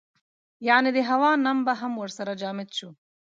یعنې د هوا نم به هم ورسره جامد شو.